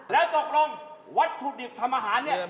แล้วตกลงวัตถุดิบทำอาหารเนี่ย